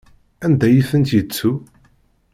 Anda i tent-yettu?